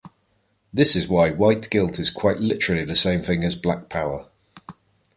This is why white guilt is quite literally the same thing as Black power.